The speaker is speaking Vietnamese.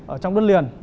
ở trong đất liền